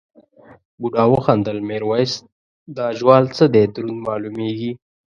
بوډا وخندل میرويس دا جوال څه دی دروند مالومېږي.